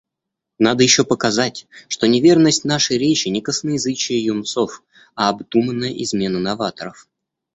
Надо ещё показать, что неверность нашей речи не косноязычие юнцов, а обдуманная измена новаторов.